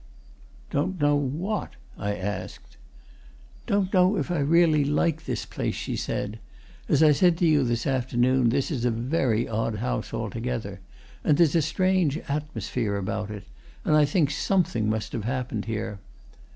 "Don't know what?" I asked. "Don't know if I really like this place," she said. "As I said to you this afternoon, this is a very odd house altogether, and there's a strange atmosphere about it, and I think something must have happened here.